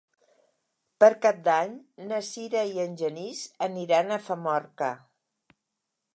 Per Cap d'Any na Sira i en Genís aniran a Famorca.